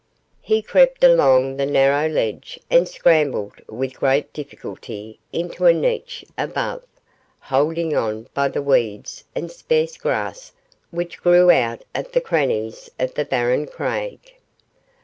He crept along the narrow ledge and scrambled with great difficulty into a niche above, holding on by the weeds and sparse grass which grew out of the crannies of the barren crag.